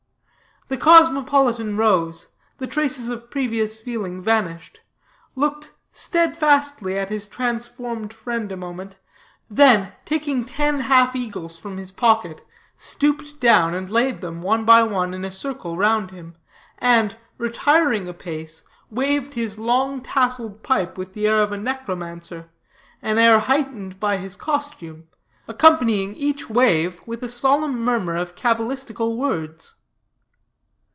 The cosmopolitan rose, the traces of previous feeling vanished; looked steadfastly at his transformed friend a moment, then, taking ten half eagles from his pocket, stooped down, and laid them, one by one, in a circle round him; and, retiring a pace, waved his long tasseled pipe with the air of a necromancer, an air heightened by his costume, accompanying each wave with a solemn murmur of cabalistical words.